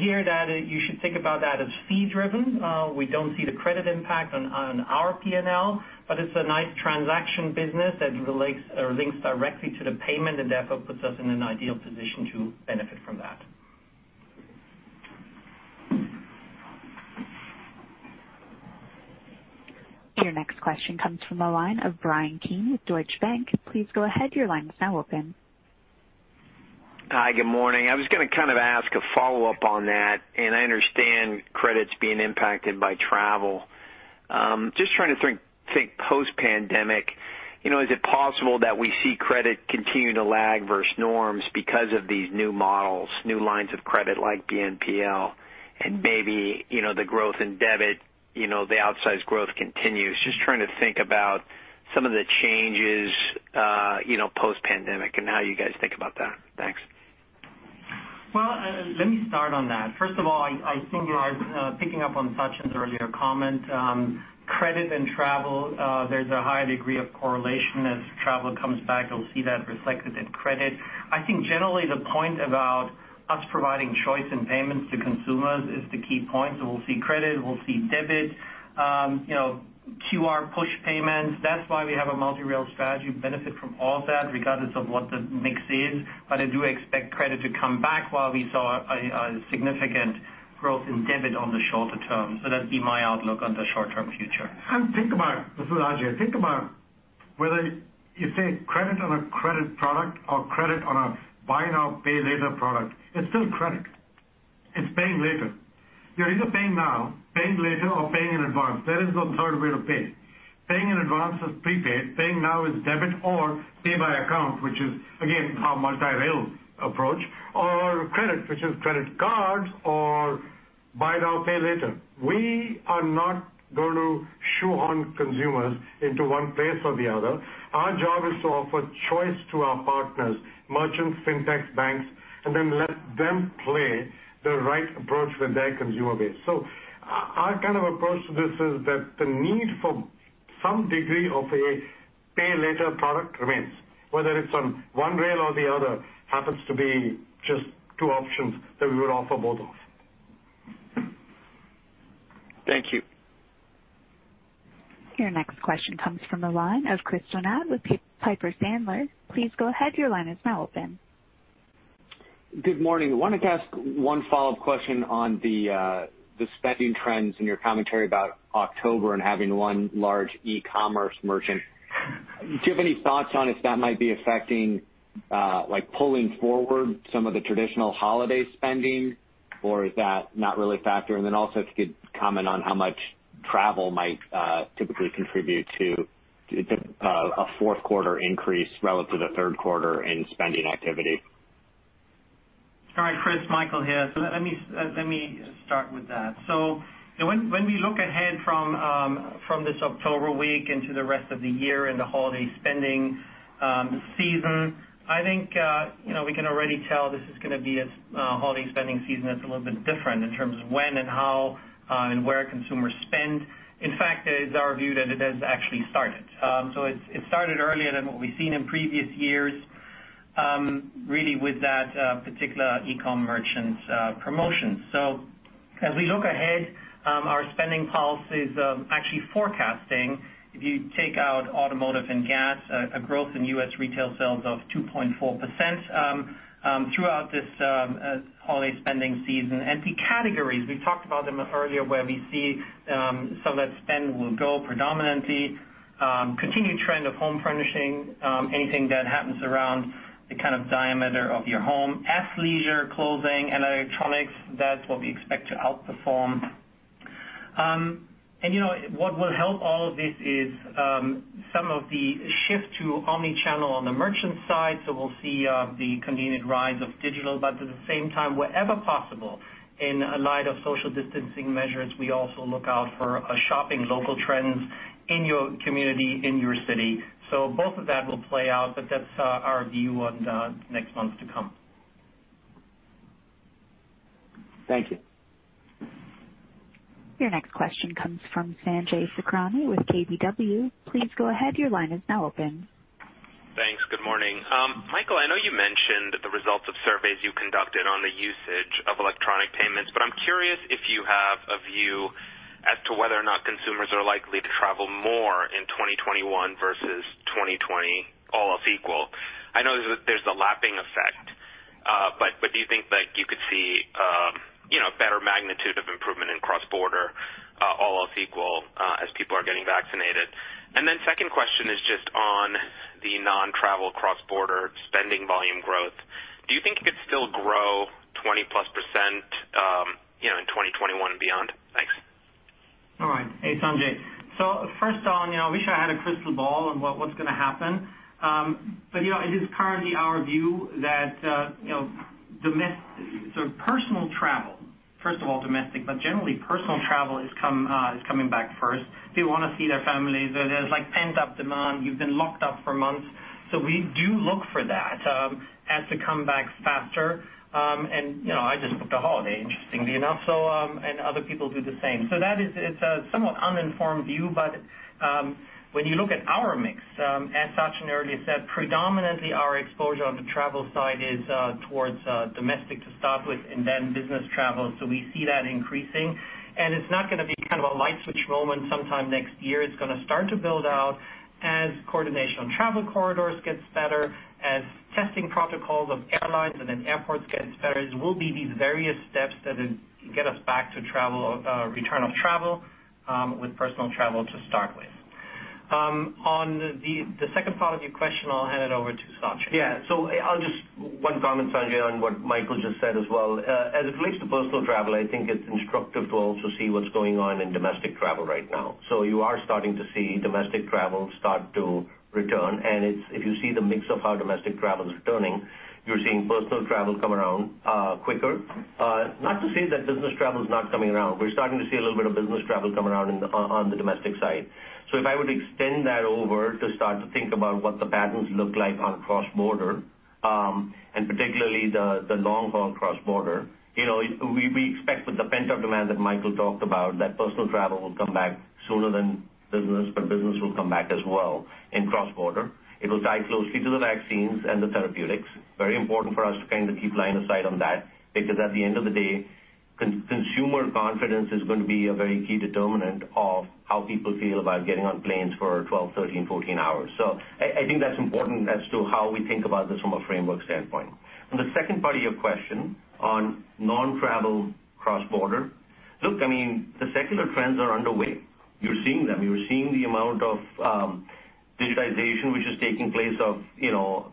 [SPEAKER 4] Here, you should think about that as fee driven. We don't see the credit impact on our P&L, but it's a nice transaction business that relates or links directly to the payment and therefore puts us in an ideal position to benefit from that.
[SPEAKER 1] Your next question comes from the line of Bryan Keane with Deutsche Bank. Please go ahead, your line is now open.
[SPEAKER 13] Hi, good morning. I was going to kind of ask a follow-up on that, and I understand credit's being impacted by travel. Just trying to think post-pandemic, is it possible that we see credit continue to lag versus norms because of these new models, new lines of credit like BNPL and maybe the growth in debit, the outsized growth continues? Just trying to think about some of the changes post-pandemic and how you guys think about that. Thanks.
[SPEAKER 4] Well, let me start on that. First of all, I think picking up on Sachin's earlier comment, credit and travel, there's a high degree of correlation. As travel comes back, you'll see that reflected in credit. I think generally the point about us providing choice in payments to consumers is the key point. We'll see credit, we'll see debit, QR push payments. That's why we have a multi-rail strategy, benefit from all that regardless of what the mix is. I do expect credit to come back while we saw a significant growth in debit on the shorter-term. That'd be my outlook on the short-term future.
[SPEAKER 3] Think about, this is Ajay. Think about whether you say credit on a credit product or credit on a buy now, pay later product, it's still credit. It's paying later. You're either paying now, paying later, or paying in advance. There is no third way to pay. Paying in advance is prepaid. Paying now is debit or pay by account, which is again, our multi-rail approach or credit, which is credit cards or buy now, pay later. We are not going to shoehorn consumers into one place or the other. Our job is to offer choice to our partners, merchants, fintech banks, then let them play the right approach with their consumer base. Our kind of approach to this is that the need for some degree of a pay later product remains, whether it's on one rail or the other, happens to be just two options that we would offer both of.
[SPEAKER 13] Thank you.
[SPEAKER 1] Your next question comes from the line of Chris Donat with Piper Sandler. Please go ahead.
[SPEAKER 14] Good morning. Wanted to ask one follow-up question on the spending trends in your commentary about October and having one large e-commerce merchant. Do you have any thoughts on if that might be affecting, like pulling forward some of the traditional holiday spending, or is that not really a factor? Also if you could comment on how much travel might typically contribute to a fourth quarter increase relative to third quarter in spending activity.
[SPEAKER 4] All right, Chris, Michael here. Let me start with that. When we look ahead from this October week into the rest of the year and the holiday spending season, I think we can already tell this is going to be a holiday spending season that's a little bit different in terms of when and how and where consumers spend. In fact, it is our view that it has actually started. It started earlier than what we've seen in previous years, really with that particular e-com merchant's promotion. As we look ahead, our SpendingPulse is actually forecasting, if you take out automotive and gas, a growth in U.S. retail sales of 2.4% throughout this holiday spending season. The categories, we talked about them earlier, where we see some of that spend will go predominantly. Continued trend of home furnishing, anything that happens around the diameter of your home. Athleisure clothing and electronics, that's what we expect to outperform. What will help all of this is some of the shift to omni-channel on the merchant side. We'll see the continued rise of digital, but at the same time, wherever possible, in light of social distancing measures, we also look out for a shopping local trends in your community, in your city. Both of that will play out, but that's our view on the next months to come.
[SPEAKER 14] Thank you.
[SPEAKER 1] Your next question comes from Sanjay Sakhrani with KBW. Please go ahead, your line is now open.
[SPEAKER 15] Thanks. Good morning. Michael, I know you mentioned the results of surveys you conducted on the usage of electronic payments. I'm curious if you have a view as to whether or not consumers are likely to travel more in 2021 versus 2020, all else equal. I know there's the lapping effect. Do you think that you could see better magnitude of improvement in cross-border, all else equal, as people are getting vaccinated? Second question is just on the non-travel cross-border spending volume growth. Do you think it could still grow 20%+ in 2021 and beyond? Thanks.
[SPEAKER 4] All right. Hey, Sanjay. First on, I wish I had a crystal ball on what's going to happen. It is currently our view that personal travel, first of all domestic, but generally personal travel is coming back first. People want to see their families. There's pent-up demand. You've been locked up for months. We do look for that as the comebacks faster. I just booked a holiday, interestingly enough, and other people do the same. That is a somewhat uninformed view, but when you look at our mix, as Sachin earlier said, predominantly our exposure on the travel side is towards domestic to start with and then business travel. We see that increasing, and it's not going to be kind of a light switch moment sometime next year. It's going to start to build out as coordination on travel corridors gets better, as testing protocols of airlines and then airports gets better. It will be these various steps that get us back to return of travel with personal travel to start with. On the second part of your question, I'll hand it over to Sachin.
[SPEAKER 5] Yeah. I'll just one comment, Sanjay, on what Michael just said as well. As it relates to personal travel, I think it's instructive to also see what's going on in domestic travel right now. You are starting to see domestic travel start to return, and if you see the mix of how domestic travel is returning, you're seeing personal travel come around quicker. Not to say that business travel is not coming around. We're starting to see a little bit of business travel come around on the domestic side. If I were to extend that over to start to think about what the patterns look like on cross-border, and particularly the long-haul cross-border, we expect with the pent-up demand that Michael talked about, that personal travel will come back sooner than business, but business will come back as well in cross-border. It will tie closely to the vaccines and the therapeutics. Very important for us to kind of keep line of sight on that because at the end of the day, consumer confidence is going to be a very key determinant of how people feel about getting on planes for 12, 13, 14 hours. I think that's important as to how we think about this from a framework standpoint. On the second part of your question on non-travel cross-border, look, the secular trends are underway. You're seeing them. You're seeing the amount of digitization which is taking place of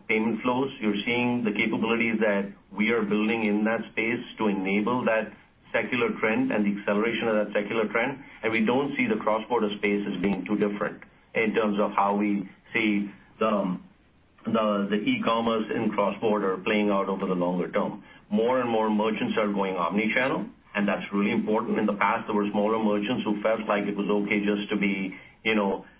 [SPEAKER 5] payment flows. You're seeing the capabilities that we are building in that space to enable that secular trend and the acceleration of that secular trend. We don't see the cross-border space as being too different in terms of how we see the e-commerce in cross-border playing out over the longer-term. More and more merchants are going omni-channel, and that's really important. In the past, there were smaller merchants who felt like it was okay just to be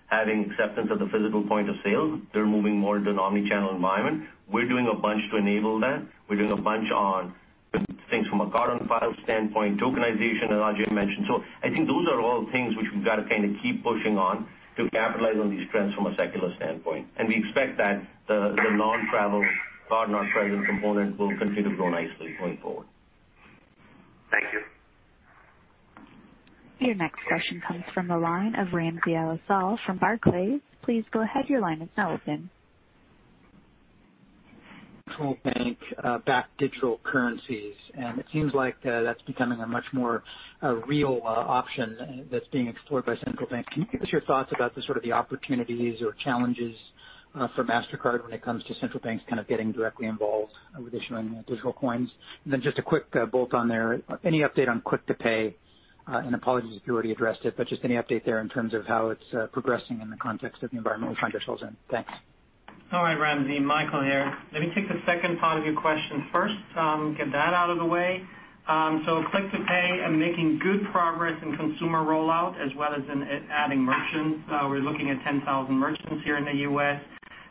[SPEAKER 5] having acceptance at the physical point of sale. They're moving more to an omni-channel environment. We're doing a bunch to enable that. We're doing a bunch on things from a card-on-file standpoint, tokenization, as Ajay mentioned. I think those are all things which we've got to kind of keep pushing on to capitalize on these trends from a secular standpoint. We expect that the non-travel card, non-travel component will continue to grow nicely going forward.
[SPEAKER 15] Thank you.
[SPEAKER 1] Your next question comes from the line of Ramsey El-Assal from Barclays. Please go ahead, your line is now open.
[SPEAKER 16] Central bank-backed digital currencies. It seems like that's becoming a much more real option that's being explored by central banks. Can you give us your thoughts about the sort of the opportunities or challenges for Mastercard when it comes to central banks kind of getting directly involved with issuing digital coins? Just a quick bolt on there. Any update on Click to Pay? Apologies if you already addressed it, but just any update there in terms of how it's progressing in the context of the environment we find ourselves in. Thanks.
[SPEAKER 4] All right, Ramsey. Michael here. Let me take the second part of your question first, get that out of the way. Click to Pay are making good progress in consumer rollout as well as in adding merchants. We're looking at 10,000 merchants here in the U.S.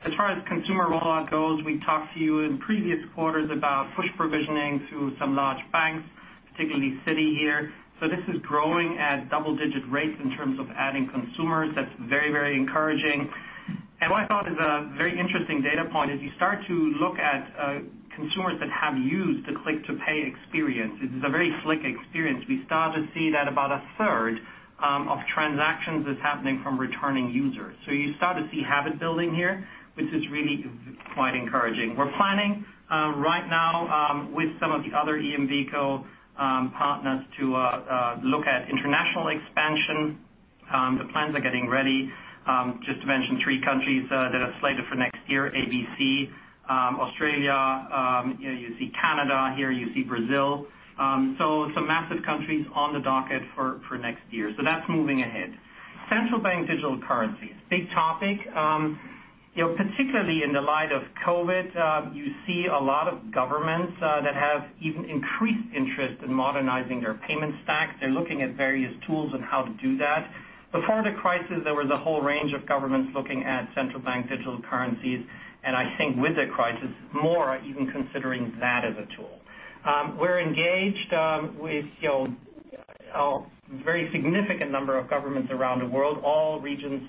[SPEAKER 4] As far as consumer rollout goes, we talked to you in previous quarters about push provisioning through some large banks, particularly Citi here. This is growing at double-digit rates in terms of adding consumers. That's very encouraging. What I thought is a very interesting data point is you start to look at consumers that have used the Click to Pay experience. It is a very slick experience. We start to see that about a third of transactions is happening from returning users. You start to see habit building here, which is really quite encouraging. We're planning right now with some of the other EMVCo partners to look at international expansion. The plans are getting ready. Just to mention three countries that are slated for next year, ABC, Australia, you see Canada here, you see Brazil. Some massive countries on the docket for next year. That's moving ahead. Central bank digital currencies, big topic. Particularly in the light of COVID-19, you see a lot of governments that have even increased interest in modernizing their payment stack. They're looking at various tools on how to do that. Before the crisis, there was a whole range of governments looking at central bank digital currencies, and I think with the crisis, more are even considering that as a tool. We're engaged with a very significant number of governments around the world, all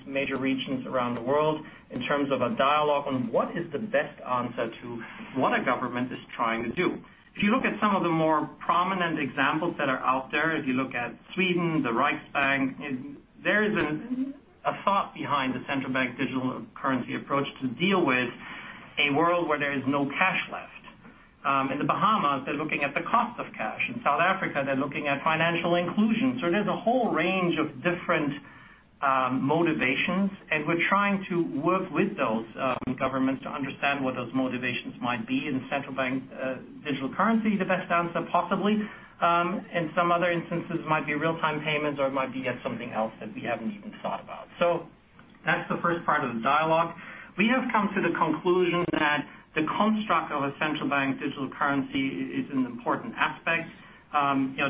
[SPEAKER 4] major regions around the world, in terms of a dialogue on what is the best answer to what a government is trying to do. If you look at some of the more prominent examples that are out there, if you look at Sweden, the Riksbank, there is a thought behind the central bank digital currency approach to deal with a world where there is no cash left. In the Bahamas, they're looking at the cost of cash. In South Africa, they're looking at financial inclusion. There's a whole range of different motivations, and we're trying to work with those governments to understand what those motivations might be. Is central bank digital currency the best answer? Possibly. In some other instances, it might be real-time payments, or it might be yet something else that we haven't even thought about. That's the first part of the dialogue. We have come to the conclusion that the construct of a central bank digital currency is an important aspect.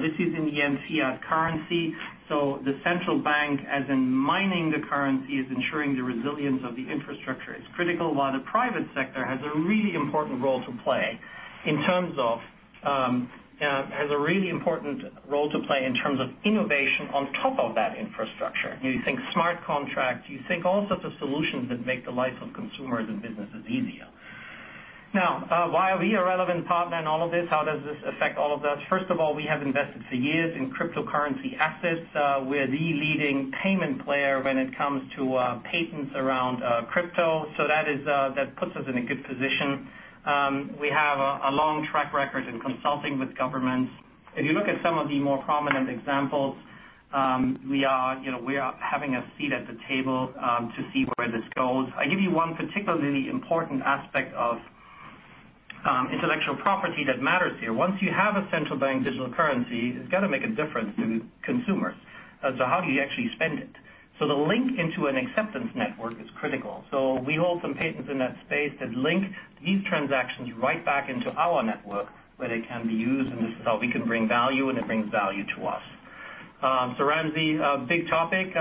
[SPEAKER 4] This isn't the [MC] as currency. The central bank, as in mining the currency, is ensuring the resilience of the infrastructure. It's critical. While the private sector has a really important role to play in terms of innovation on top of that infrastructure. You think smart contracts, you think all sorts of solutions that make the life of consumers and businesses easier. Why are we a relevant partner in all of this? How does this affect all of us? First of all, we have invested for years in cryptocurrency assets. We're the leading payment player when it comes to patents around crypto. That puts us in a good position. We have a long track record in consulting with governments. If you look at some of the more prominent examples, we are having a seat at the table to see where this goes. I give you one particularly important aspect of intellectual property that matters here. Once you have a central bank digital currency, it's got to make a difference to consumers as to how do you actually spend it. The link into an acceptance network is critical. We hold some patents in that space that link these transactions right back into our network where they can be used, and this is how we can bring value, and it brings value to us. Ramsey, big topic.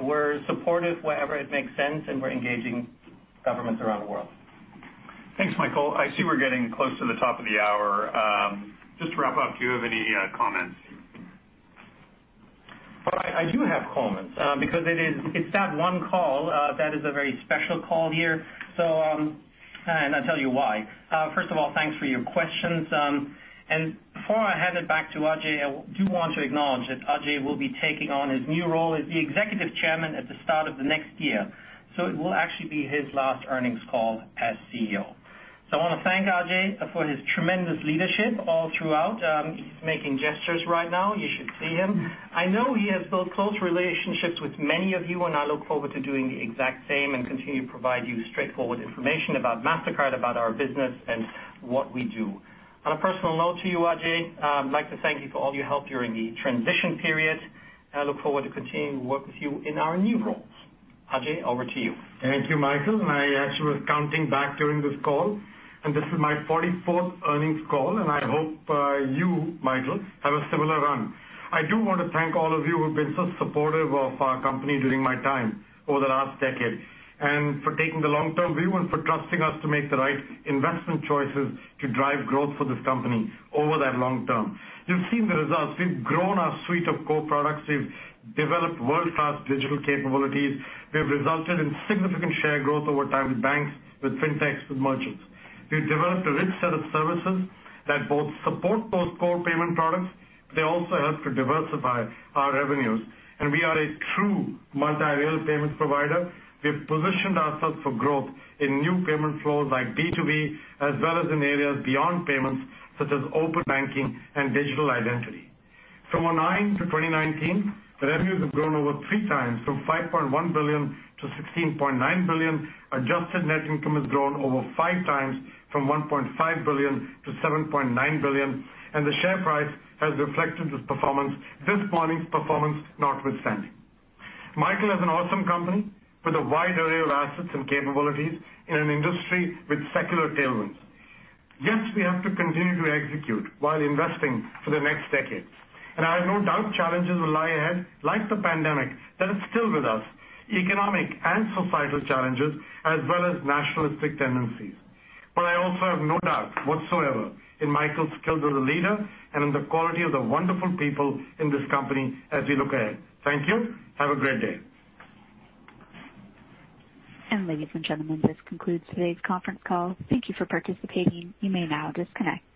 [SPEAKER 4] We're supportive wherever it makes sense, and we're engaging governments around the world.
[SPEAKER 2] Thanks, Michael. I see we're getting close to the top of the hour. Just to wrap-up, do you have any comments?
[SPEAKER 4] I do have comments because it's that one call that is a very special call here. I'll tell you why. First of all, thanks for your questions. Before I hand it back to Ajay, I do want to acknowledge that Ajay will be taking on his new role as the Executive Chairman at the start of the next year. It will actually be his last earnings call as CEO. I want to thank Ajay for his tremendous leadership all throughout. He's making gestures right now. You should see him. I know he has built close relationships with many of you, and I look forward to doing the exact same and continue to provide you straightforward information about Mastercard, about our business, and what we do. On a personal note to you, Ajay, I'd like to thank you for all your help during the transition period. I look forward to continuing to work with you in our new roles. Ajay, over to you.
[SPEAKER 3] Thank you, Michael. I actually was counting back during this call, this is my 44th earnings call, I hope you, Michael, have a similar run. I do want to thank all of you who've been so supportive of our company during my time over the last decade, for taking the long-term view, for trusting us to make the right investment choices to drive growth for this company over that long-term. You've seen the results. We've grown our suite of core products. We've developed world-class digital capabilities. We have resulted in significant share growth over time with banks, with fintechs, with merchants. We've developed a rich set of services that both support those core payment products, they also help to diversify our revenues. We are a true multi-rail payments provider. We've positioned ourselves for growth in new payment flows like B2B as well as in areas beyond payments such as open banking and digital identity. From 2009 to 2019, the revenues have grown over 3x, from $5.1 billion to $16.9 billion. Adjusted net income has grown over 5x, from $1.5 billion to $7.9 billion, and the share price has reflected this performance, this morning's performance notwithstanding. Michael has an awesome company with a wide array of assets and capabilities in an industry with secular tailwinds. Yes, we have to continue to execute while investing for the next decades. I have no doubt challenges will lie ahead, like the pandemic that is still with us, economic and societal challenges, as well as nationalistic tendencies. I also have no doubt whatsoever in Michael's skills as a leader and in the quality of the wonderful people in this company as we look ahead. Thank you. Have a great day.
[SPEAKER 1] Ladies and gentlemen, this concludes today's conference call. Thank you for participating. You may now disconnect.